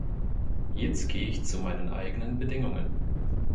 Jetzt gehe ich zu meinen eigenen Bedingungen.